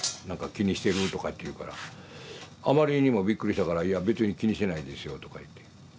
なんか気にしてる？とかって言うからあまりにもびっくりしたからいや別に気にしてないですよとか言って。